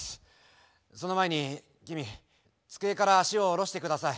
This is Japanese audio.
その前に君机から脚を下ろして下さい。